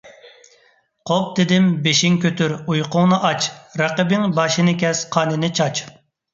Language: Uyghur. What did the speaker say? قوپ! دېدىم، بېشىڭ كۆتۈر! ئۇيقۇڭنى ئاچ! رەقىبىڭ باشىنى كەس، قانىنى چاچ!